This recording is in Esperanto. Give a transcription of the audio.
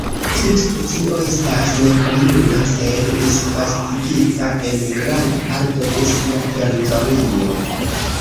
Tiu specio estas nekomuna sed disvastigita en granda parto de sia teritorio.